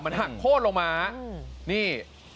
มันหักโค้นลงมานี่